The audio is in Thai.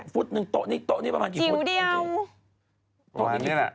ฟุตหนึ่งฟุตหนึ่งโต๊ะนี้เปราะมะถึงฟุตตีมึงเดียว